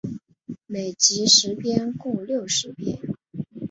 每集十篇共六十篇。